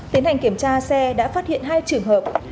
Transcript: tiến hành kiểm tra xe đã phát hiện hai trường hợp